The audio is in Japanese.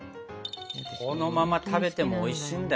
このまま食べてもおいしいんだよね